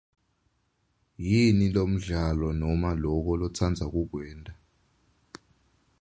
Yini lomdlalo noma loko lotsandza kukwenta?